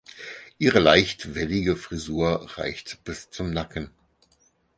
Ihre leicht wellige Frisur reicht bis zum Nacken.